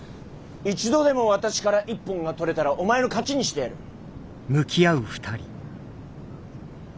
一度でも私から一本が取れたらお前の勝ちにしてやる。